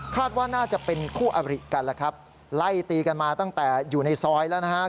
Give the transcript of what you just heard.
ว่าน่าจะเป็นคู่อบริกันแล้วครับไล่ตีกันมาตั้งแต่อยู่ในซอยแล้วนะฮะ